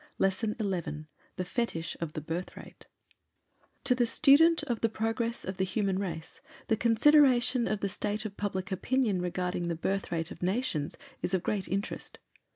LESSON XI THE FETICH OF THE BIRTH RATE To the student of the progress of the human race the consideration of the state of public opinion regarding the Birth rate of nations is of great interest.